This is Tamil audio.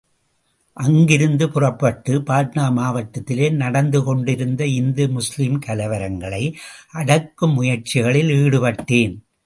அங்கிருந்து புறப்பட்டு, பாட்னா மாவட்டத்திலே நடந்து கொண்டிருந்த இந்து முஸ்லீம் கலவரங்களை அடக்கும் முயற்சிகளில் ஈடுபட்டேன்.